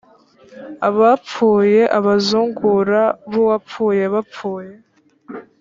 abapfuye iyo abazungura b uwapfuye bapfuye